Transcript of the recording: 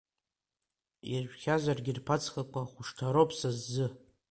Иажәхьазаргьы рԥацхақәа хәышҭаароуп са сзы…